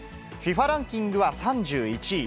ＦＩＦＡランキングは３１位。